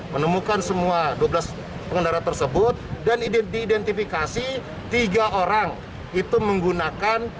menemukan semua dua belas pengendara tersebut dan diidentifikasi tiga orang itu menggunakan